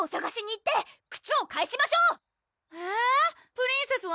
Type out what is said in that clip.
プリンセスは？